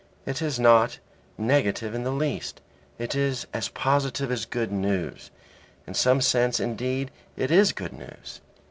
It is not negative in the least; it is as positive as good news. In some sense, indeed, it is good news.